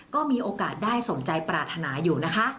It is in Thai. ก็มีโอกาสได้สมใจปรารถนาอยู่นะคะ